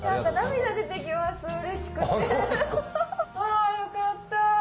あよかった。